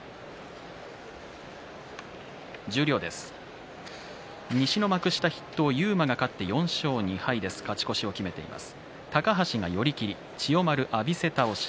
十両西の幕下筆頭、勇磨が勝って４勝２敗勝ち越しを決めています。